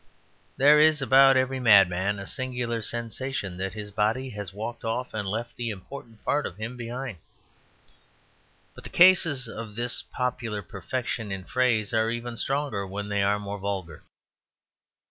There is about every madman a singular sensation that his body has walked off and left the important part of him behind. But the cases of this popular perfection in phrase are even stronger when they are more vulgar.